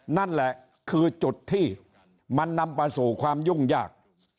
นั่นแหละคือจุดที่มันนำไปสู่ความยุ่งยาก